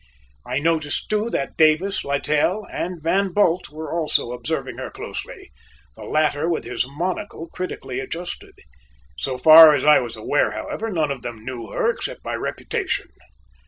I noticed, too, that Davis, Littell, and Van Bult were also observing her closely, the latter with his monocle critically adjusted. So far as I was aware, however, none of them knew her except by reputation.